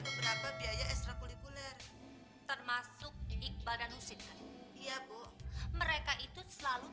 beberapa biaya ekstra kulikuler termasuk iqbal dan husin kan iya bu mereka itu selalu